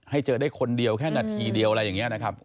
ให้เจอได้คนเดียวแค่นาทีเดียวอะไรอย่างนี้นะครับ